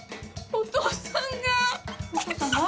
お父さんが？